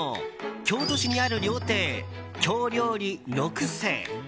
京都市にある料亭、京料理六盛。